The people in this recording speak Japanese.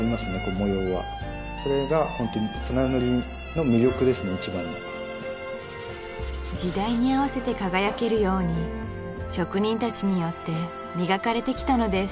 模様はそれがホントに津軽塗の魅力ですね一番の時代に合わせて輝けるように職人たちによって磨かれてきたのです